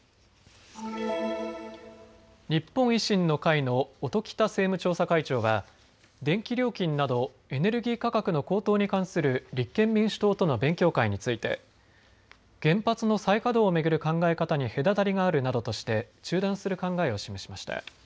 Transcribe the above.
日本維新の会の音喜多政務調査会長は電気料金などエネルギー価格の高騰に関する立憲民主党との勉強会について原発の再稼働を巡る考え方に隔たりがあるなどとして中断する考えを示しました。